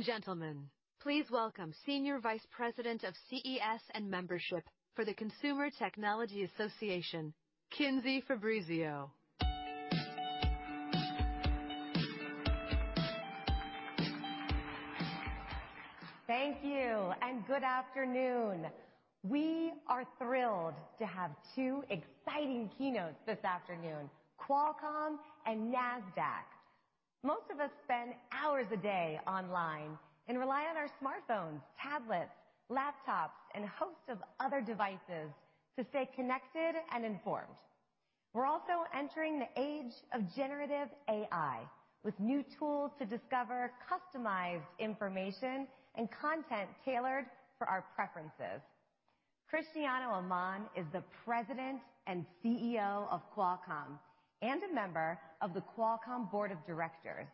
Ladies and gentlemen, please welcome Senior Vice President of CES and Membership for the Consumer Technology Association, Kinsey Fabrizio. Thank you, and good afternoon. We are thrilled to have two exciting keynotes this afternoon, Qualcomm and Nasdaq. Most of us spend hours a day online and rely on our smartphones, tablets, laptops, and a host of other devices to stay connected and informed. We're also entering the age of generative AI, with new tools to discover customized information and content tailored for our preferences. Cristiano Amon is the President and CEO of Qualcomm and a member of the Qualcomm Board of Directors.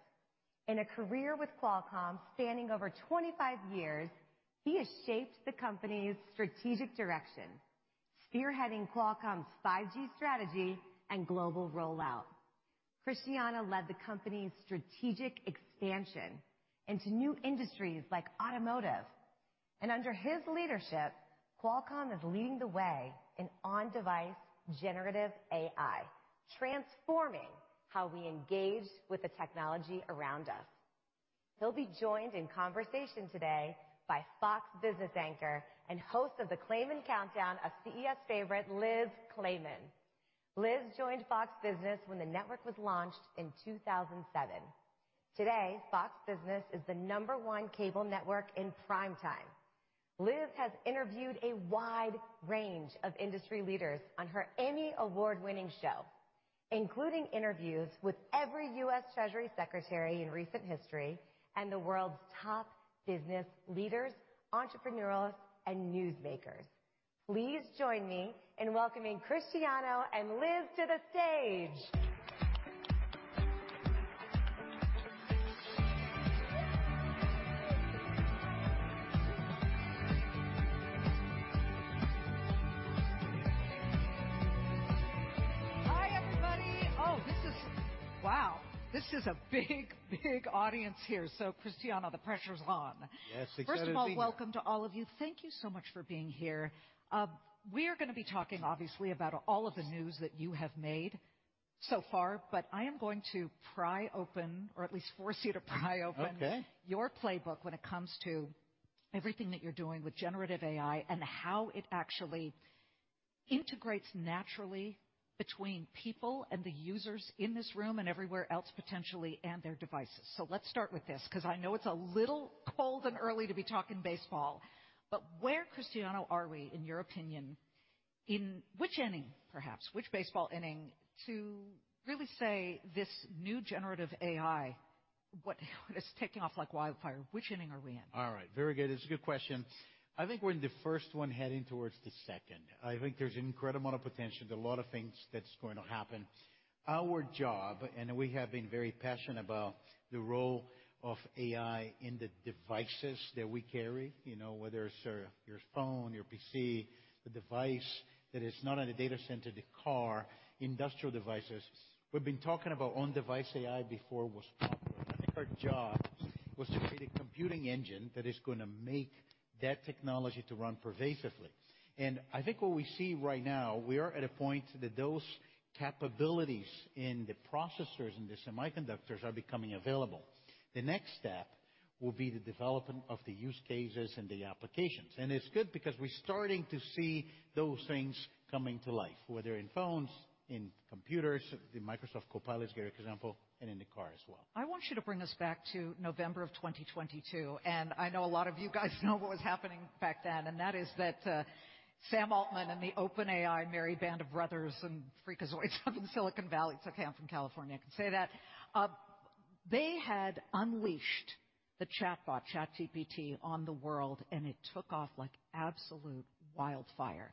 In a career with Qualcomm spanning over 25 years, he has shaped the company's strategic direction, spearheading Qualcomm's 5G strategy and global rollout. Cristiano led the company's strategic expansion into new industries like automotive, and under his leadership, Qualcomm is leading the way in on-device generative AI, transforming how we engage with the technology around us. He'll be joined in conversation today by Fox Business anchor and host of The Claman Countdown, a CES favorite, Liz Claman. Liz joined Fox Business when the network was launched in 2007. Today, Fox Business is the number one cable network in prime time. Liz has interviewed a wide range of industry leaders on her Emmy award-winning show, including interviews with every U.S. Treasury Secretary in recent history and the world's top business leaders, entrepreneurs, and newsmakers. Please join me in welcoming Cristiano and Liz to the stage! Hi, everybody. Oh, this is... Wow! This is a big, big audience here. So, Cristiano, the pressure's on. Yes, excited to be here. First of all, welcome to all of you. Thank you so much for being here. We are gonna be talking obviously about all of the news that you have made so far, but I am going to pry open, or at least force you to pry open- Okay. Your playbook when it comes to everything that you're doing with generative AI and how it actually integrates naturally between people and the users in this room and everywhere else, potentially, and their devices. So let's start with this, 'cause I know it's a little cold and early to be talking baseball, but where, Cristiano, are we, in your opinion, in which inning, perhaps, which baseball inning, to really say this new generative AI, what, it's taking off like wildfire. Which inning are we in? All right. Very good. It's a good question. I think we're in the first one, heading towards the second. I think there's an incredible amount of potential, a lot of things that's going to happen. Our job, and we have been very passionate about the role of AI in the devices that we carry, you know, whether it's your, your phone, your PC, the device that is not at the data center, the car, industrial devices. We've been talking about on-device AI before it was popular. I think our job was to create a computing engine that is gonna make that technology to run pervasively. And I think what we see right now, we are at a point that those capabilities in the processors and the semiconductors are becoming available. The next step will be the development of the use cases and the applications, and it's good because we're starting to see those things coming to life, whether in phones, in computers, the Microsoft Copilot is a great example, and in the car as well. I want you to bring us back to November of 2022, and I know a lot of you guys know what was happening back then, and that is that, Sam Altman and the OpenAI merry band of brothers and freakazoids up in Silicon Valley. It's okay, I'm from California, I can say that. They had unleashed the chatbot, ChatGPT, on the world, and it took off like absolute wildfire.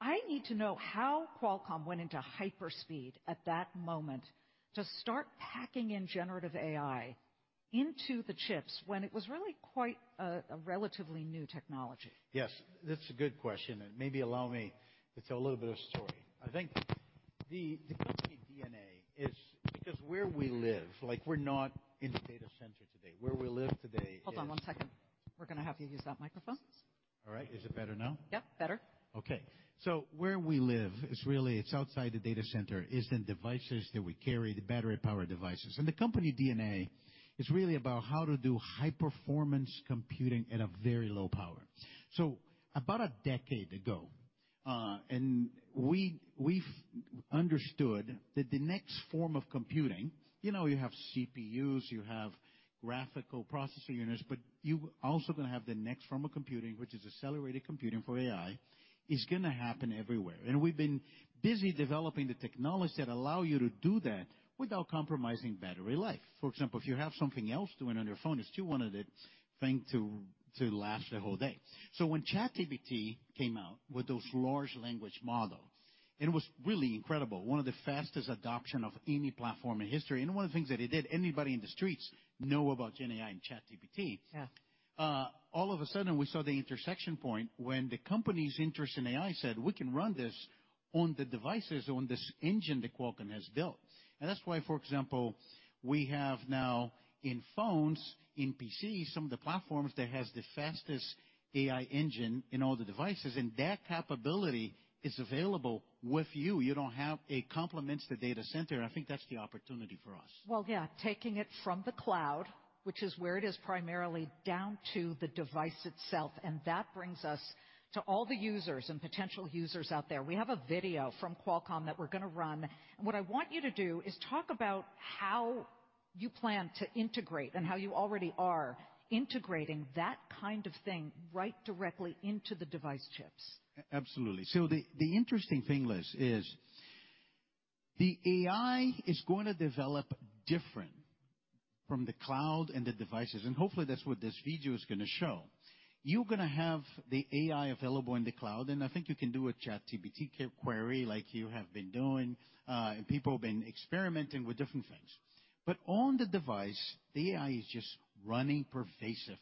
I need to know how Qualcomm went into hyper speed at that moment to start packing in generative AI into the chips, when it was really quite a relatively new technology. Yes, that's a good question, and maybe allow me to tell a little bit of story. I think the company DNA is... Because where we live, like, we're not in the data center today. Where we live today is- Hold on one second. We're gonna have you use that microphone. All right. Is it better now? Yep, better. Okay. So where we live is really, it's outside the data center, is in devices that we carry, the battery-powered devices. And the company DNA is really about how to do high-performance computing at a very low power. So about a decade ago, and we've understood that the next form of computing, you know, you have CPUs, you have graphical processor units, but you also gonna have the next form of computing, which is accelerated computing for AI, is gonna happen everywhere. And we've been busy developing the technology that allow you to do that without compromising battery life. For example, if you have something else doing on your phone, you still want the thing to last the whole day. So when ChatGPT came out with those large language models, and it was really incredible, one of the fastest adoption of any platform in history. One of the things that it did, anybody in the streets know about GenAI and ChatGPT. All of a sudden, we saw the intersection point when the company's interest in AI said: "We can run this on the devices, on this engine that Qualcomm has built."... And that's why, for example, we have now in phones, in PCs, some of the platforms that has the fastest AI engine in all the devices, and that capability is available with you. You don't have. It complements the data center, and I think that's the opportunity for us. Well, yeah, taking it from the cloud, which is where it is primarily, down to the device itself, and that brings us to all the users and potential users out there. We have a video from Qualcomm that we're gonna run, and what I want you to do is talk about how you plan to integrate and how you already are integrating that kind of thing right directly into the device chips. Absolutely. So the interesting thing, Liz, is the AI is going to develop different from the cloud and the devices, and hopefully, that's what this video is gonna show. You're gonna have the AI available in the cloud, and I think you can do a ChatGPT query like you have been doing, and people have been experimenting with different things. But on the device, the AI is just running pervasively.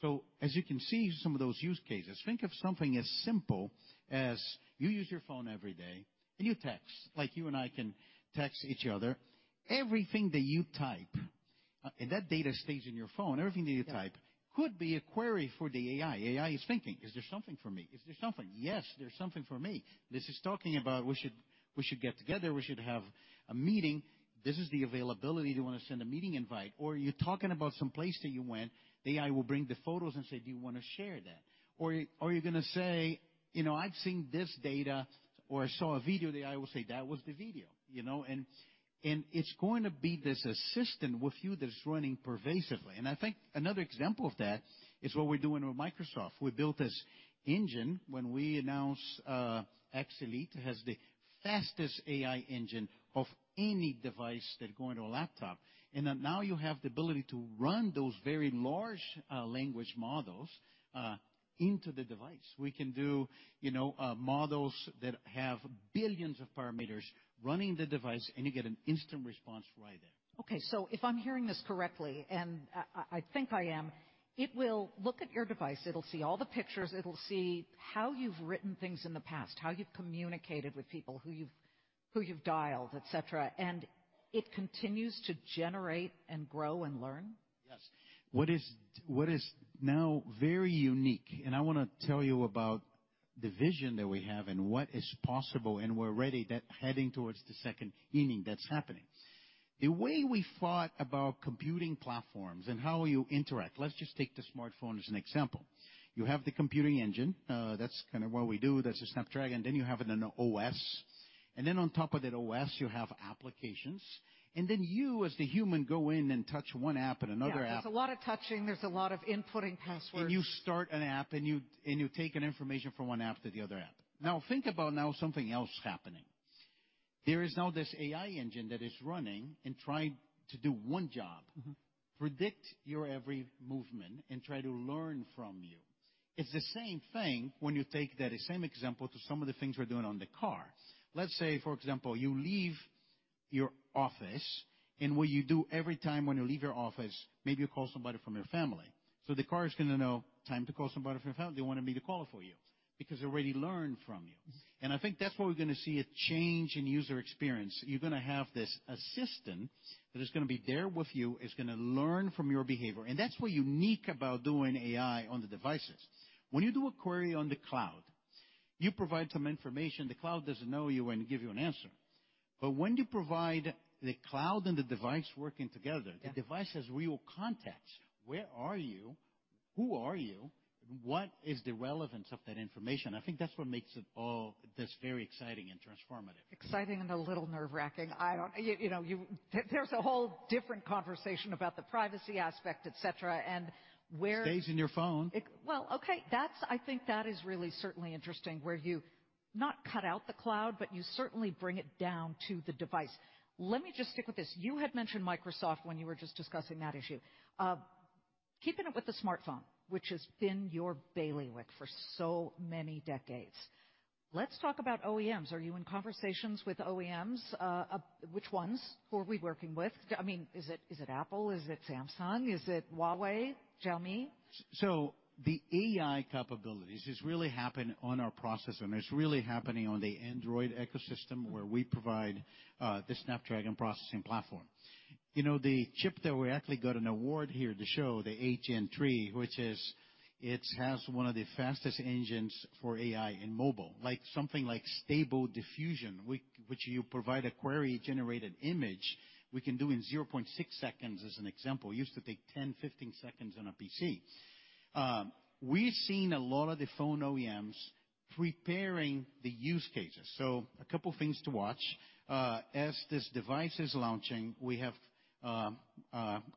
So as you can see, some of those use cases, think of something as simple as you use your phone every day, and you text, like you and I can text each other. Everything that you type, and that data stays in your phone. Everything that you type could be a query for the AI. AI is thinking: Is there something for me? Is there something? Yes, there's something for me. This is talking about we should, we should get together. We should have a meeting. This is the availability. Do you want to send a meeting invite? Or you're talking about some place that you went, the AI will bring the photos and say, "Do you wanna share that?" Or, or you're gonna say, "You know, I've seen this data," or, "I saw a video." The AI will say, "That was the video." You know, and, and it's going to be this assistant with you that's running pervasively. And I think another example of that is what we're doing with Microsoft. We built this engine when we announced, X Elite, has the fastest AI engine of any device that go into a laptop, and then now you have the ability to run those very large, language models, into the device. We can do, you know, models that have billions of parameters running the device, and you get an instant response right there. Okay, so if I'm hearing this correctly, and I think I am, it will look at your device, it'll see all the pictures, it'll see how you've written things in the past, how you've communicated with people, who you've dialed, et cetera, and it continues to generate and grow and learn? Yes. What is now very unique, and I wanna tell you about the vision that we have and what is possible, and we're ready, that heading towards the second inning that's happening. The way we thought about computing platforms and how you interact, let's just take the smartphone as an example. You have the computing engine, that's kind of what we do. That's a Snapdragon. Then you have an OS, and then on top of that OS, you have applications. And then you, as the human, go in and touch one app and another app. Yeah, there's a lot of touching. There's a lot of inputting passwords. You start an app, and you're taking information from one app to the other app. Now think about something else happening. There is now this AI engine that is running and trying to do one job- - predict your every movement and try to learn from you. It's the same thing when you take that same example to some of the things we're doing on the car. Let's say, for example, you leave your office, and what you do every time when you leave your office, maybe you call somebody from your family. So the car is gonna know, time to call somebody from your family. They want me to call for you because they already learned from youMm-hmm. I think that's where we're gonna see a change in user experience. You're gonna have this assistant that is gonna be there with you, is gonna learn from your behavior, and that's what's unique about doing AI on the devices. When you do a query on the cloud, you provide some information, the cloud doesn't know you and give you an answer. But when you provide the cloud and the device working together- The device has real context. Where are you? Who are you? What is the relevance of that information? I think that's what makes it all this very exciting and transformative. Exciting and a little nerve-wracking. I don't... You know, you-- There's a whole different conversation about the privacy aspect, et cetera, and where- Stays in your phone. Well, okay. That's. I think that is really certainly interesting, where you not cut out the cloud, but you certainly bring it down to the device. Let me just stick with this. You had mentioned Microsoft when you were just discussing that issue. Keeping it with the smartphone, which has been your bailiwick for so many decades, let's talk about OEMs. Are you in conversations with OEMs? Which ones are we working with? I mean, is it, is it Apple? Is it Samsung? Is it Huawei, Xiaomi? So the AI capabilities, this really happen on our processor, and it's really happening on the Android ecosystem, where we provide the Snapdragon processing platform. You know, the chip that we actually got an award here to show, the 8 Gen 3, which is. It has one of the fastest engines for AI in mobile. Like, something like Stable Diffusion, which you provide a query-generated image, we can do in 0.6 seconds, as an example. It used to take 10, 15 seconds on a PC. We've seen a lot of the phone OEMs preparing the use cases. So a couple things to watch. As this device is launching, we have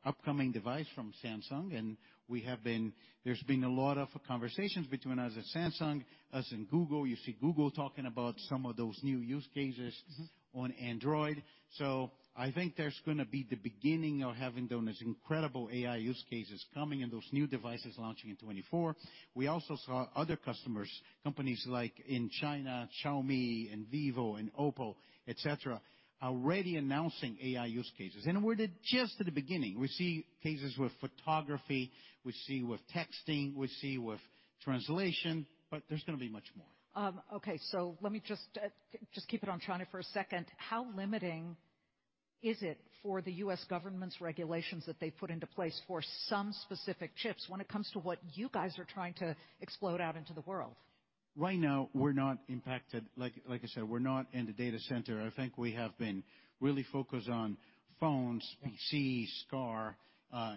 upcoming device from Samsung, and we have been, there's been a lot of conversations between us and Samsung, us and Google. You see Google talking about some of those new use casesMm-hmm. - on Android. So I think there's gonna be the beginning of having those incredible AI use cases coming and those new devices launching in 2024. We also saw other customers, companies like in China, Xiaomi and Vivo and Oppo, et cetera, already announcing AI use cases, and we're just at the beginning. We see cases with photography, we see with texting, we see with translation, but there's gonna be much more. Okay, so let me just keep it on China for a second. How limiting is it for the U.S. government's regulations that they put into place for some specific chips when it comes to what you guys are trying to explode out into the world? Right now, we're not impacted. Like, I said, we're not in the data center. I think we have been really focused on phones, PCs, car,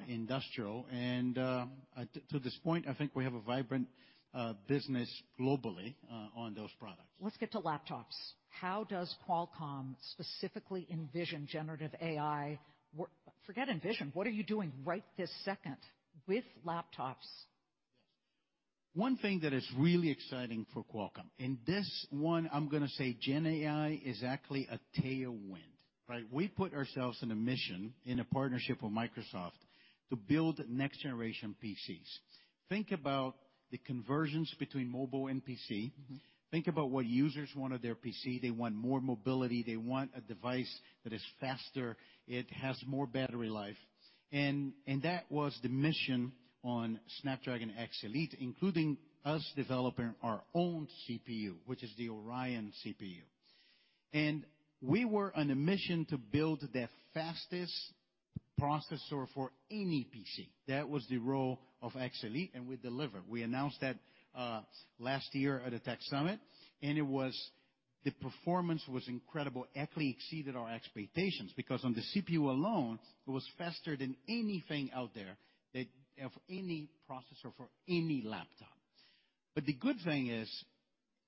industrial, and, to this point, I think we have a vibrant, business globally, on those products. Let's get to laptops. How does Qualcomm specifically envision generative AI work? Forget envision, what are you doing right this second with laptops? One thing that is really exciting for Qualcomm, and this one I'm gonna say GenAI is actually a tailwind, right? We put ourselves in a mission, in a partnership with Microsoft, to build next generation PCs. Think about the conversions between mobile and PCMm-hmm. Think about what users want of their PC. They want more mobility; they want a device that is faster, it has more battery life. And that was the mission on Snapdragon X Elite, including us developing our own CPU, which is the Oryon CPU. And we were on a mission to build the fastest processor for any PC. That was the role of X Elite, and we delivered. We announced that last year at a tech summit, and it was. The performance was incredible, actually exceeded our expectations, because on the CPU alone, it was faster than anything out there, that of any processor for any laptop. But the good thing is,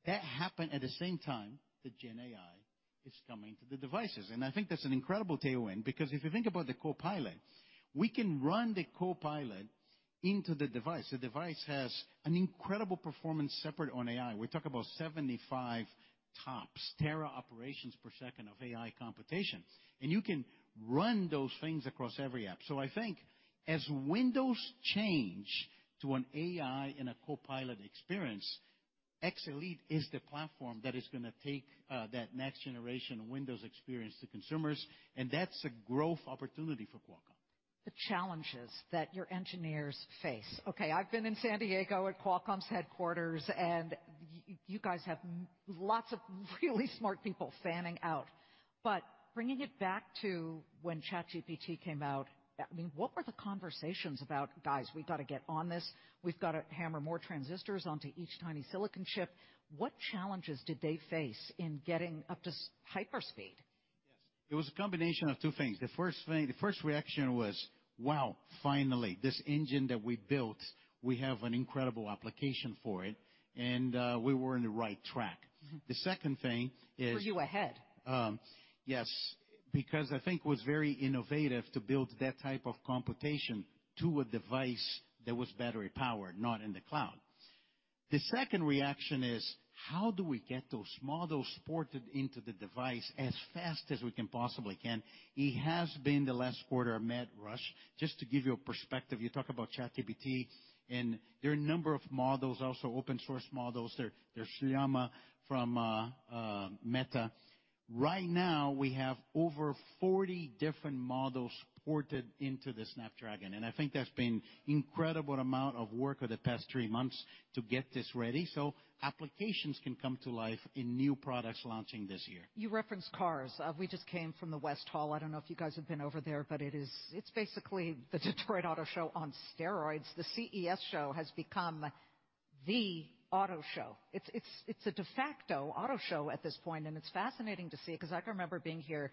that happened at the same time that GenAI is coming to the devices, and I think that's an incredible tailwind, because if you think about the Copilot, we can run the Copilot into the device. The device has an incredible performance separate on AI. We talk about 75 TOPS, tera operations per second of AI computation, and you can run those things across every app. So I think as Windows change to an AI and a Copilot experience, X Elite is the platform that is gonna take that next generation Windows experience to consumers, and that's a growth opportunity for Qualcomm. The challenges that your engineers face. Okay, I've been in San Diego at Qualcomm's headquarters, and you guys have lots of really smart people fanning out. But bringing it back to when ChatGPT came out, I mean, what were the conversations about, "Guys, we've got to get on this. We've got to hammer more transistors onto each tiny silicon chip." What challenges did they face in getting up to hyperspeed? Yes. It was a combination of two things. The first thing. The first reaction was: Wow, finally, this engine that we built, we have an incredible application for it, and we were in the right trackMm-hmm. The second thing is- Were you ahead? Yes, because I think it was very innovative to build that type of computation to a device that was battery-powered, not in the cloud. The second reaction is: How do we get those models ported into the device as fast as we can possibly can? It has been, the last quarter, a mad rush. Just to give you a perspective, you talk about ChatGPT, and there are a number of models, also open source models. There's Llama from Meta. Right now, we have over 40 different models ported into the Snapdragon, and I think that's been incredible amount of work over the past three months to get this ready, so applications can come to life in new products launching this year. You referenced cars. We just came from the West Hall. I don't know if you guys have been over there, but it is—it's basically the Detroit Auto Show on steroids. The CES show has become the auto show. It's, it's, it's a de facto auto show at this point, and it's fascinating to see, 'cause I can remember being here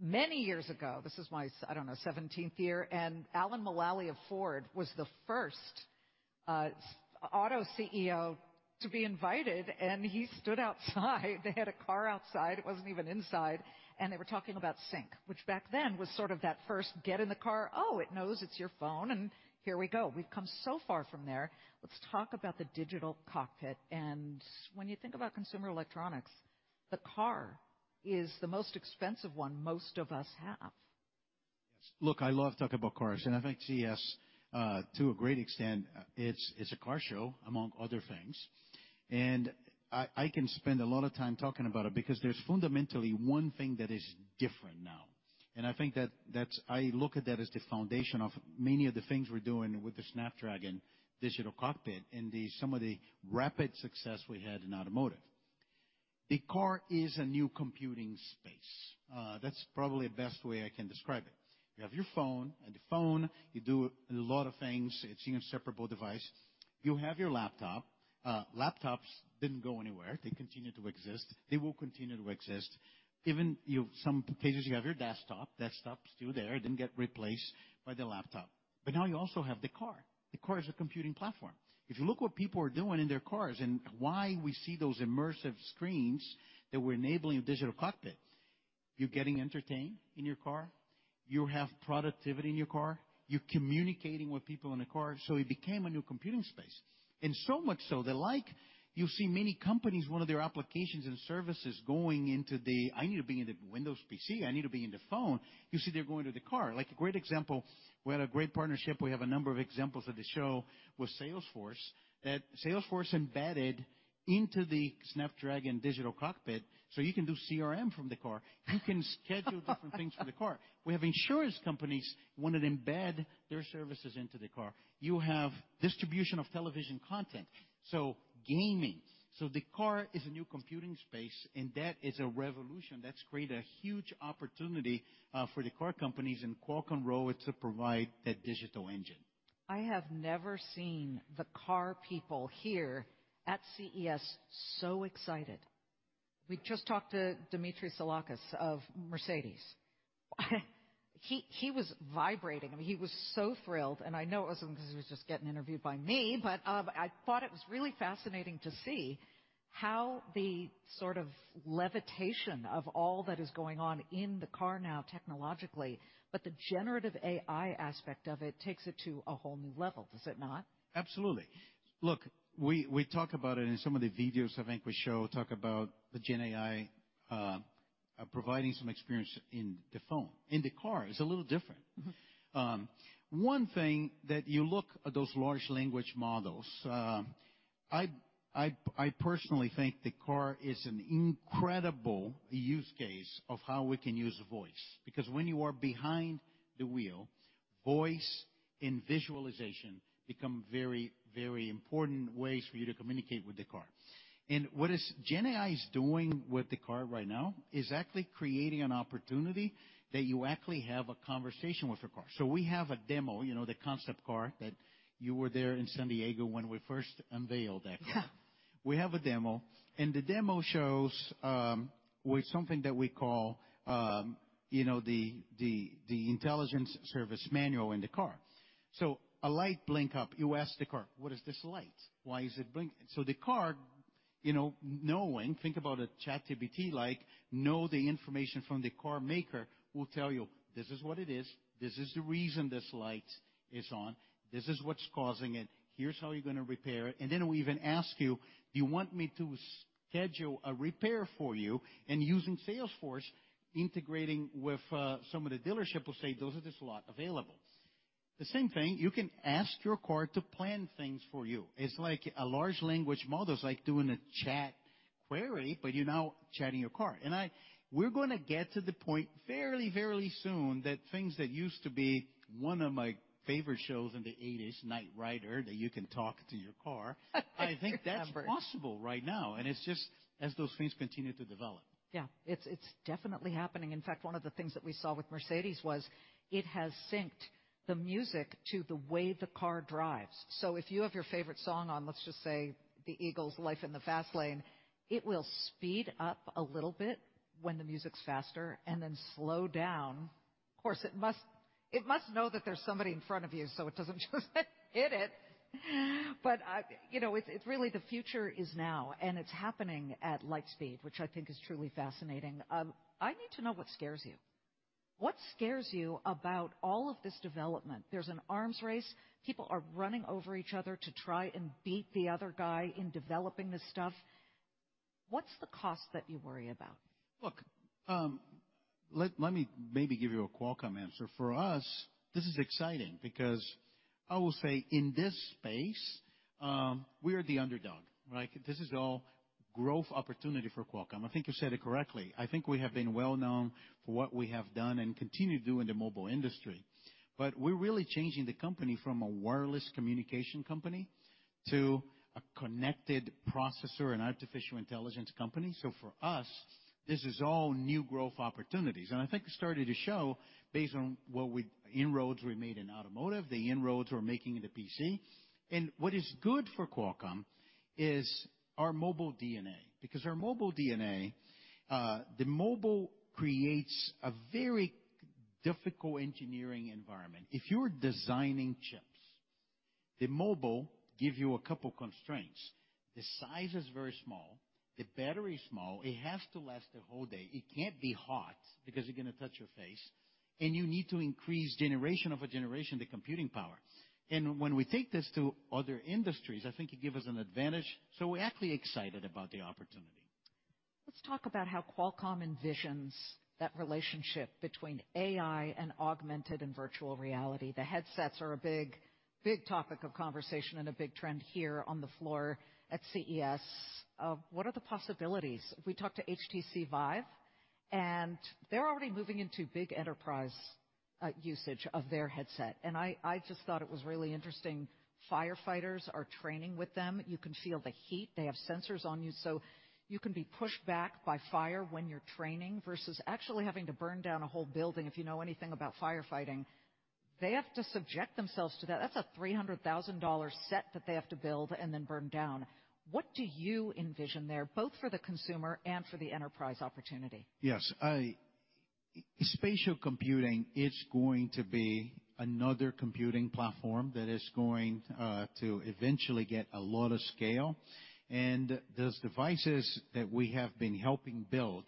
many years ago. This is my, I don't know, seventeenth year, and Alan Mulally of Ford was the first auto CEO to be invited, and he stood outside. They had a car outside, it wasn't even inside, and they were talking about Sync, which back then was sort of that first get in the car, "Oh, it knows it's your phone," and here we go. We've come so far from there. Let's talk about the digital cockpit, and when you think about consumer electronics, the car is the most expensive one most of us have. Yes. Look, I love talking about cars, and I think CES, to a great extent, it's a car show, among other things. And I can spend a lot of time talking about it because there's fundamentally one thing that is different now, and I think that's the foundation of many of the things we're doing with the Snapdragon Digital Cockpit and some of the rapid success we had in automotive. The car is a new computing space. That's probably the best way I can describe it. You have your phone, and the phone, you do a lot of things. It's an inseparable device. You have your laptop. Laptops didn't go anywhere. They continue to exist. They will continue to exist. Even you have some cases, you have your desktop. Desktop's still there, didn't get replaced by the laptop. But now you also have the car. The car is a computing platform. If you look what people are doing in their cars and why we see those immersive screens that we're enabling in Digital Cockpit, you're getting entertained in your car, you have productivity in your car, you're communicating with people in the car, so it became a new computing space. And so much so that, like, you see many companies, one of their applications and services going into the, "I need to be in the Windows PC, I need to be in the phone," you see they're going to the car. Like, a great example, we had a great partnership, we have a number of examples at the show with Salesforce, that Salesforce embedded into the Snapdragon Digital Cockpit so you can do CRM from the car. You can schedule different things from the car. We have insurance companies wanting to embed their services into the car. You have distribution of television content, so gaming. So the car is a new computing space, and that is a revolution that's created a huge opportunity for the car companies and Qualcomm role to provide that digital engine.... I have never seen the car people here at CES so excited. We just talked to Dimitris Psillakis of Mercedes. He was vibrating. I mean, he was so thrilled, and I know it wasn't 'cause he was just getting interviewed by me, but I thought it was really fascinating to see how the sort of levitation of all that is going on in the car now technologically, but the generative AI aspect of it takes it to a whole new level, does it not? Absolutely. Look, we talk about it in some of the videos I think we show, talk about the GenAI, providing some experience in the phone. In the car, it's a little different. One thing that you look at those large language models, I personally think the car is an incredible use case of how we can use voice, because when you are behind the wheel, voice and visualization become very, very important ways for you to communicate with the car. And what is GenAI doing with the car right now is actually creating an opportunity that you actually have a conversation with your car. So we have a demo, you know, the concept car, that you were there in San Diego when we first unveiled that car. We have a demo, and the demo shows with something that we call, you know, the intelligence service manual in the car. So a light blink up, you ask the car: "What is this light? Why is it blinking?" So the car, you know, knowing, think about a ChatGPT-like, know the information from the car maker, will tell you, "This is what it is. This is the reason this light is on. This is what's causing it. Here's how you're gonna repair it." And then will even ask you: "Do you want me to schedule a repair for you?" And using Salesforce, integrating with some of the dealership will say, "Those are the slots available." The same thing, you can ask your car to plan things for you. It's like a large language model. It's like doing a chat query, but you're now chatting your car. And we're gonna get to the point very, very soon that things that used to be one of my favorite shows in the eighties, Knight Rider, that you can talk to your car. I remember. I think that's possible right now, and it's just as those things continue to develop. Yeah, it's, it's definitely happening. In fact, one of the things that we saw with Mercedes was it has synced the music to the way the car drives. So if you have your favorite song on, let's just say, the Eagles, Life in the Fast Lane, it will speed up a little bit when the music's faster, and then slow down. Of course, it must, it must know that there's somebody in front of you, so it doesn't just hit it. But, you know, it's, it's really the future is now, and it's happening at light speed, which I think is truly fascinating. I need to know what scares you. What scares you about all of this development? There's an arms race. People are running over each other to try and beat the other guy in developing this stuff. What's the cost that you worry about? Look, let me maybe give you a Qualcomm answer. For us, this is exciting because I will say, in this space, we are the underdog, right? This is all growth opportunity for Qualcomm. I think you said it correctly. I think we have been well-known for what we have done and continue to do in the mobile industry, but we're really changing the company from a wireless communication company to a connected processor and artificial intelligence company. So for us, this is all new growth opportunities, and I think it's starting to show based on what we inroads we made in automotive, the inroads we're making in the PC. And what is good for Qualcomm is our mobile DNA, because our mobile DNA, the mobile creates a very difficult engineering environment. If you're designing chips, the mobile give you a couple constraints. The size is very small, the battery is small, it has to last a whole day, it can't be hot because you're gonna touch your face, and you need to increase generation of a generation, the computing power. When we take this to other industries, I think it give us an advantage, so we're actually excited about the opportunity. Let's talk about how Qualcomm envisions that relationship between AI and augmented and virtual reality. The headsets are a big, big topic of conversation and a big trend here on the floor at CES. What are the possibilities? We talked to HTC VIVE, and they're already moving into big enterprise usage of their headset, and I just thought it was really interesting. Firefighters are training with them. You can feel the heat. They have sensors on you, so you can be pushed back by fire when you're training, versus actually having to burn down a whole building. If you know anything about firefighting, they have to subject themselves to that. That's a $300,000 set that they have to build and then burn down. What do you envision there, both for the consumer and for the enterprise opportunity? Yes. Spatial computing is going to be another computing platform that is going to eventually get a lot of scale. And those devices that we have been helping build,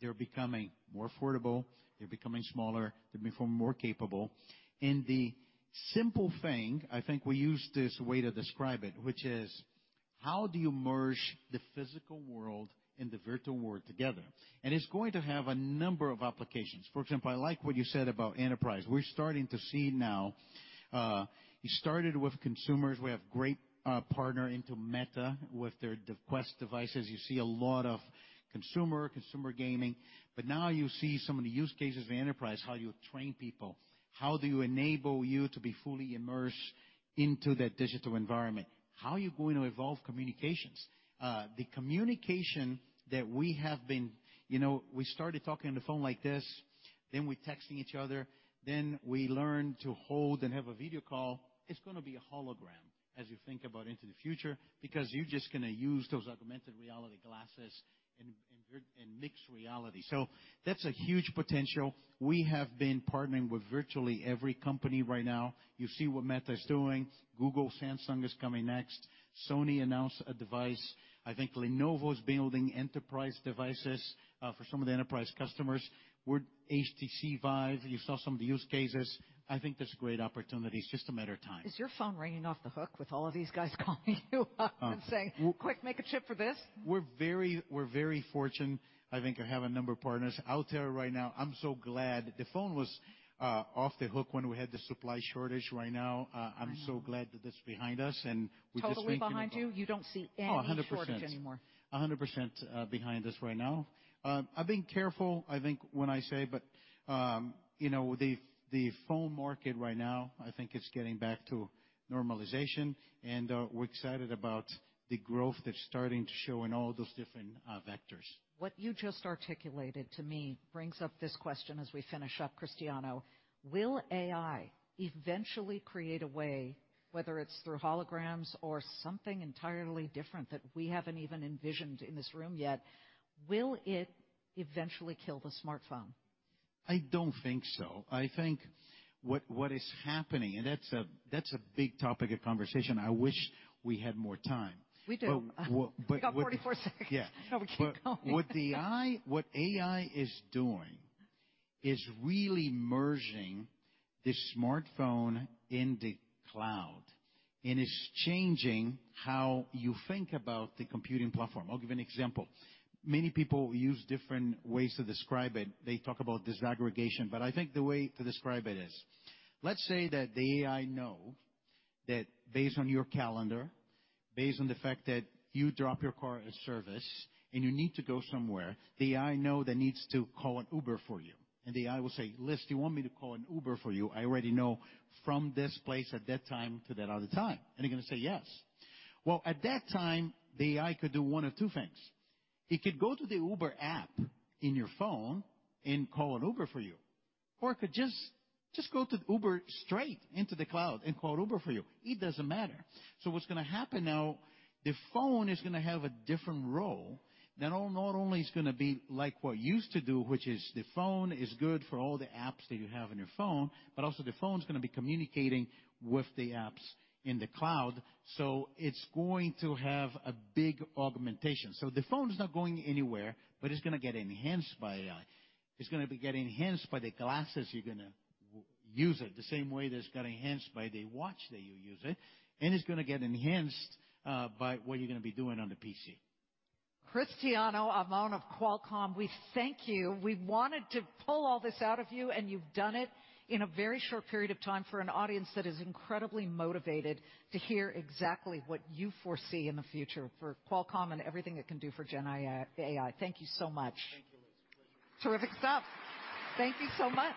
they're becoming more affordable, they're becoming smaller, they're becoming more capable. And the simple thing, I think we use this way to describe it, which is: How do you merge the physical world and the virtual world together? And it's going to have a number of applications. For example, I like what you said about enterprise. We're starting to see now, you started with consumers. We have great partner into Meta with their, the Quest devices. You see a lot of consumer, consumer gaming, but now you see some of the use cases of enterprise, how you train people. How do you enable you to be fully immersed?... into that digital environment, how are you going to evolve communications? The communication that we have been—you know, we started talking on the phone like this, then we're texting each other, then we learned to hold and have a video call. It's gonna be a hologram, as you think about into the future, because you're just gonna use those augmented reality glasses and virtual and mixed reality. So that's a huge potential. We have been partnering with virtually every company right now. You see what Meta is doing. Google, Samsung is coming next. Sony announced a device. I think Lenovo is building enterprise devices for some of the enterprise customers. With HTC VIVE, you saw some of the use cases. I think that's a great opportunity. It's just a matter of time. Is your phone ringing off the hook with all of these guys calling you up and saying, "Quick, make a chip for this? We're very fortunate. I think I have a number of partners. I'll tell you right now, I'm so glad... The phone was off the hook when we had the supply shortage. Right now, Uh-huh. I'm so glad that that's behind us, and we're just thinking about. Totally behind you? You don't see any- Oh, 100%. -shortage anymore. 100% behind us right now. I've been careful, I think, when I say, but, you know, the phone market right now, I think it's getting back to normalization, and, we're excited about the growth that's starting to show in all those different, vectors. What you just articulated to me brings up this question as we finish up, Cristiano. Will AI eventually create a way, whether it's through holograms or something entirely different that we haven't even envisioned in this room yet, will it eventually kill the smartphone? I don't think so. I think what, what is happening, and that's a, that's a big topic of conversation. I wish we had more time. We do. But what- We got 44 seconds. No, we keep going. What AI is doing is really merging the smartphone in the cloud, and it's changing how you think about the computing platform. I'll give you an example. Many people use different ways to describe it. They talk about disaggregation, but I think the way to describe it is, let's say that the AI know that based on your calendar, based on the fact that you drop your car at a service and you need to go somewhere, the AI know that it needs to call an Uber for you. And the AI will say, "Liz, do you want me to call an Uber for you? I already know from this place at that time to that other time." You're gonna say, "Yes." Well, at that time, the AI could do one of two things: It could go to the Uber app in your phone and call an Uber for you, or it could just, just go to Uber straight into the cloud and call an Uber for you. It doesn't matter. What's gonna happen now, the phone is gonna have a different role that not only it's gonna be like what it used to do, which is the phone is good for all the apps that you have on your phone, but also the phone's gonna be communicating with the apps in the cloud. It's going to have a big augmentation. The phone's not going anywhere, but it's gonna get enhanced by AI. It's gonna be get enhanced by the glasses you're gonna use it, the same way it's got enhanced by the watch that you use it, and it's gonna get enhanced by what you're gonna be doing on the PC. Cristiano Amon of Qualcomm, we thank you. We wanted to pull all this out of you, and you've done it in a very short period of time for an audience that is incredibly motivated to hear exactly what you foresee in the future for Qualcomm and everything it can do for GenAI, AI. Thank you so much. Thank you, Liz. Pleasure. Terrific stuff! Thank you so much.